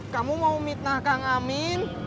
kamu mau mitnah kang amin